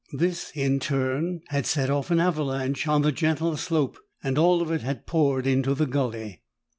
This, in turn, had set off an avalanche on the gentle slope and all of it had poured into the gulley.